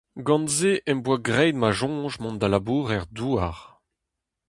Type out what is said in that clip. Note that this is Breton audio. Gant se em boa graet ma soñj mont da labourer-douar.